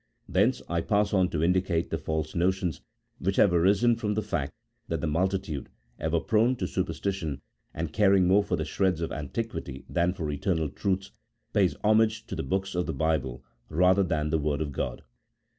Thence I pass on to indicate the false notions, which have arisen from the fact that the multitude — ever prone to superstition, and caring more for the shreds of antiquity than for eternal truths — pays homage to the Books of the Bible, rather than to the Word of God.